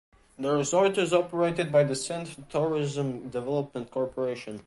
The resort is operated by the Sindh Tourism Development Corporation.